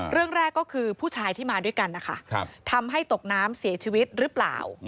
เรื่องแรกก็คือผู้ชายที่มาด้วยกันนะคะทำให้ตกน้ำเสียชีวิตหรือเปล่า